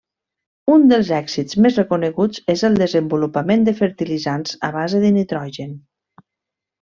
Un dels èxits més reconeguts és el desenvolupament de fertilitzants a base de nitrogen.